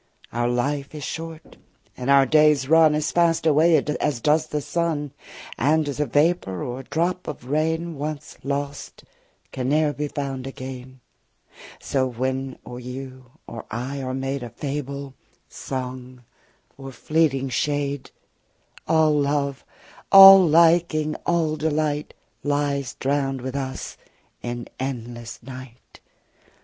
60 Our life is short, and our days run As fast away as does the sun. And, as a vapour or a drop of rain, Once lost, can ne'er be found again, So when or you or I are made 65 A fable, song, or fleeting shade, All love, all liking, all delight Lies drown'd with us in endless night.